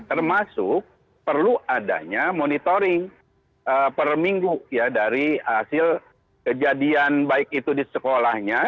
termasuk perlu adanya monitoring per minggu ya dari hasil kejadian baik itu di sekolahnya